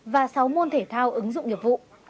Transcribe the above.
và sáu môn thể thao ứng dụng nghiệp vụ